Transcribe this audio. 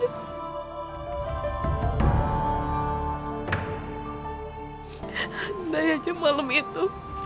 andai aja malam itu